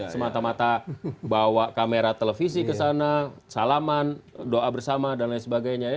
semata mata bawa kamera televisi ke sana salaman doa bersama dan lain sebagainya ya